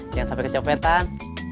jangan sampai kecepetan